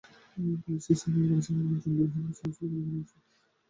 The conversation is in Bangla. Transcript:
বেলুচিস্তান লিবারেশন আর্মির জঙ্গিরা এ হামলা চালিয়েছিল বলে জানা গেছে।